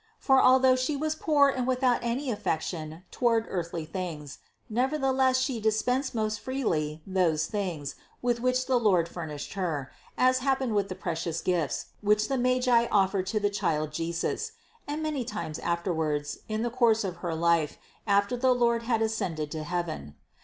For although She was poor and without any affection toward earthly things, nevertheless She dispensed most freely those things, with which the Lord furnished Her, as happened with the precious gifts, which the Magi offered to the Child Jesus, and many times afterwards in the course of her life after the Lord had ascended to heaven.